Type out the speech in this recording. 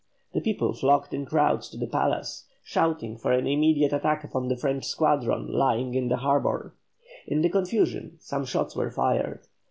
The people flocked in crowds to the palace, shouting for an immediate attack upon the French squadron lying in the harbour; in the confusion some shots were fired.